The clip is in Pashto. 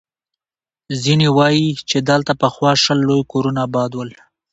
ځيني وایي، چې دلته پخوا شل لوی کورونه اباد ول.